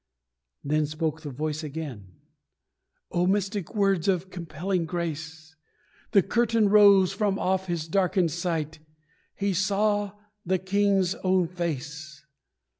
Then spoke the Voice again. Oh, mystic words Of a compelling grace: The curtain rose from off his darkened sight He saw the King's own face.